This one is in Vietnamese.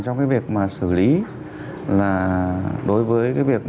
trong việc xử lý đối với các loại vũ khí